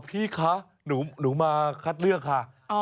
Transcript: พี่คะหนูมาคัดเลือกค่ะ